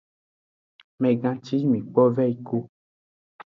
Megan ci yi mi kpo vayi ku.